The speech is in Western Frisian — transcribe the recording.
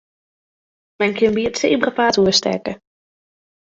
Men kin by it sebrapaad oerstekke.